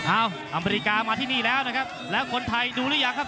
อเมริกามาที่นี่แล้วนะครับแล้วคนไทยดูหรือยังครับ